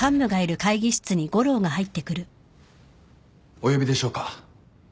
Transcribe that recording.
お呼びでしょうか？